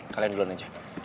kalian duluan aja